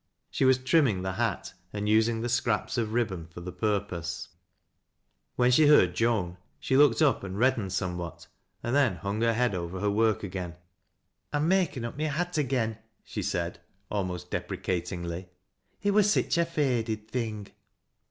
She was trimming the hat, and. using the scraps of ribbon for the purpose. When she heard Joan, she looked up and reddened somewhat, and then hung her head over her work again. " I'm makin' up my hat agen," she said, almost depre catingly. " It wur sich a faded thing."